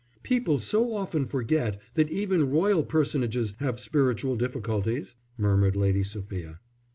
"People so often forget that even Royal Personages have spiritual difficulties," murmured Lady Sophia.